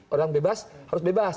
orang bebas harus bebas